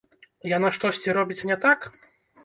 Яна штосьці робіць не так?